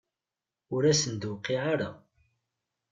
Ur asen-d-tuqiɛ ara?